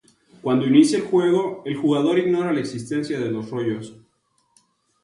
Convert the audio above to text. Cuando inicia el juego, el jugador ignora la existencia de los rollos.